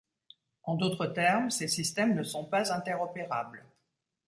En d’autres termes, ces systèmes ne sont pas interopérables.